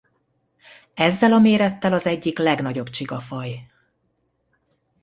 Ezzel a mérettel az egyik legnagyobb csigafaj.